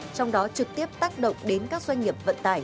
trong đó trực tiếp tác động đến các doanh nghiệp